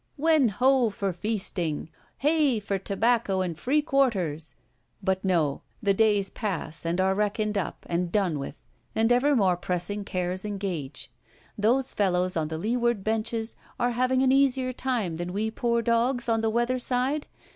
When ho for feasting! Hey for tobacco and free quarters! But no: the days pass, and are reckoned up, and done with; and ever more pressing cares engage. Those fellows on the leeward benches are having an easier time than we poor dogs on the weather side?